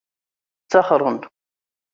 Ttaxren.